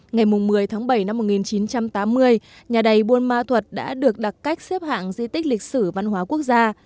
ngày một mươi tháng bảy năm một nghìn chín trăm tám mươi nhà đầy buôn ma thuật đã được đặt cách xếp hạng di tích lịch sử văn hóa quốc gia